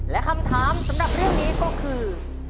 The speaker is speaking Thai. และคำถามสำหรับเรื่องนี้ก็คือ